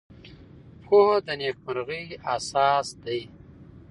پوهه د نېکمرغۍ اساس دی.